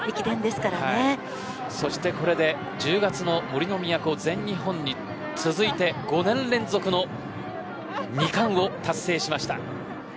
そして、これで１０月の全日本に続いて５年連続の２冠を達成しました。